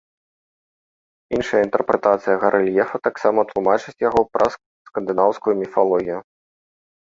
Іншая інтэрпрэтацыя гарэльефа таксама тлумачыць яго праз скандынаўскую міфалогію.